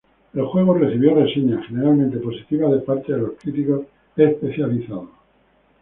El juego recibió reseñas generalmente positivas de parte de los críticos especializados.